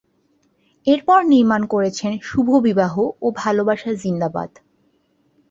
এরপর নির্মাণ করেছেন ‘শুভ বিবাহ’ ও ‘ভালোবাসা জিন্দাবাদ’।